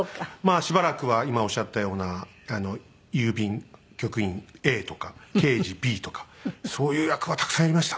あしばらくは今おっしゃったような郵便局員Ａとか刑事Ｂとかそういう役はたくさんやりましたね。